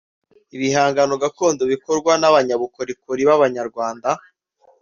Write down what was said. Ibihangano gakondo bikorwa n’abanyabukorikori b’Abanyarwanda